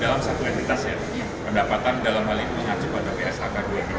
dalam satu entitas ya pendapatan dalam hal ini mengacu pada pshk dua